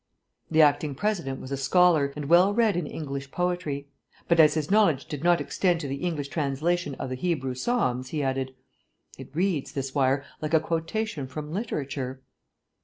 The acting President was a scholar, and well read in English poetry. But, as his knowledge did not extend to the English translation of the Hebrew Psalms, he added, "It reads, this wire, like a quotation from literature?"